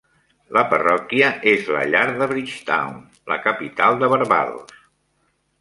La parròquia és la llar de Bridgetown, la capital de Barbados.